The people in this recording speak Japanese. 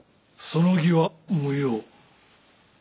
その儀は無用。